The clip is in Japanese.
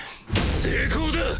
成功だ！